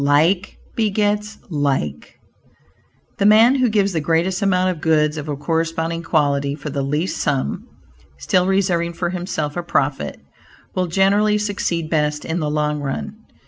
"Like begets like." The man who gives the greatest amount of goods of a corresponding quality for the least sum (still reserving for himself a profit) will generally succeed best in the long run.